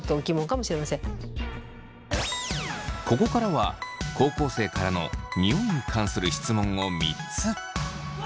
ここからは高校生からのニオイに関する質問を３つ。